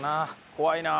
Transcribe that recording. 怖いな。